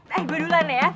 eh gua duluan ya